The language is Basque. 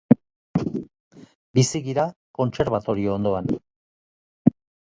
Bizi gira kontserbatorio ondoan.